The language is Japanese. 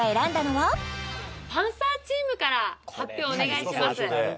パンサーチームから発表をお願いします